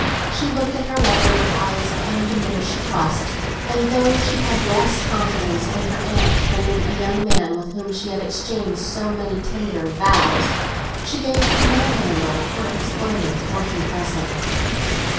She looked at her lover with eyes of undiminished trust, and though she had less confidence in her aunt than in a young man with whom she had exchanged so many tender vows, she gave her no handle for explaining or confessing.